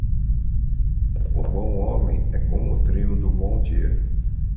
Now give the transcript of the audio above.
O bom homem é como o trigo do bom dia.